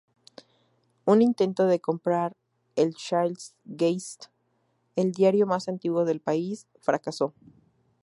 Un intento de comprar el Shields Gazette, el diario más antiguo del país, fracasó.